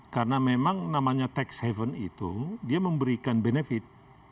karena memang namanya tax haven itu dia memberikan benefit